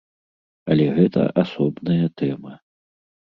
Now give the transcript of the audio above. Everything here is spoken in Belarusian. Але гэта асобная тэма.